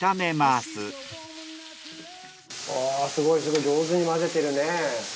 すごいすごい上手に混ぜてるね。